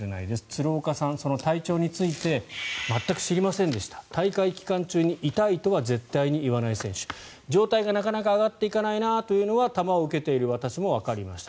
鶴岡さん、その体調について全く知りませんでした大会期間中に痛いとは絶対に言わない選手状態がなかなか上がっていかないなというのは球を受けている私もわかりました。